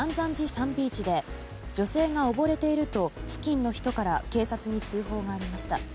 サンビーチで女性が溺れていると付近の人から警察に通報がありました。